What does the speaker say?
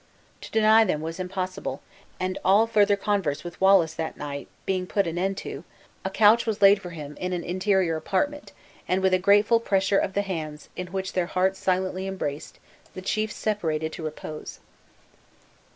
To deny them was impossible, and all further converse with Wallace that night being put an end to, a couch was laid for him in an interior apartment, and with a grateful pressure of the hands, in which their hearts silently embraced, the chiefs separated to repose.